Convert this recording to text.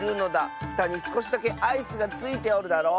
ふたにすこしだけアイスがついておるだろう？